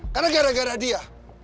karena gara gara dia